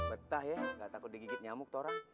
betah ya nggak takut digigit nyamuk tuh orang